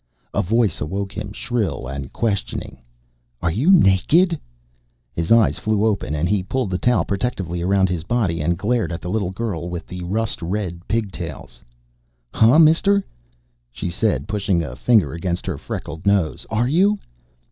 A voice awoke him, shrill and questioning. "Are you nakkid?" His eyes flew open, and he pulled the towel protectively around his body and glared at the little girl with the rust red pigtails. "Huh, mister?" she said, pushing a finger against her freckled nose. "Are you?"